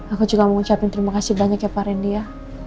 aku juga mau ucapin terima kasih banyak ya pak rendy ya